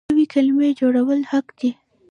نوې کلمې جوړول حق دی.